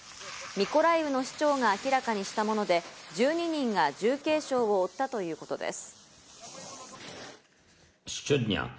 ミコライウの市長が明らかにしたもので、１２人が重軽傷を負ったということです。